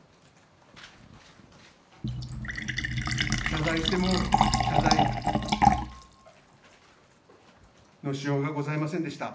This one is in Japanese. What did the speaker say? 謝罪しても、謝罪のしようがございませんでした。